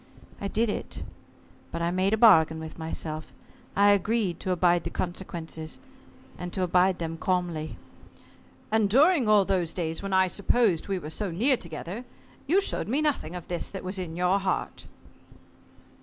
I did it, but I made a bargain with myself, I agreed to abide the consequences and to abide them calmly." "And during all those days when I supposed we were so near together you showed me nothing of this that was in your heart."